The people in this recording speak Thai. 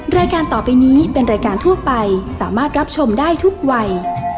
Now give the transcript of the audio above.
รายการต่อไปนี้เป็นรายการทั่วไปสามารถรับชมได้ทุกวัย